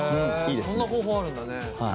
そんな方法あるんだね。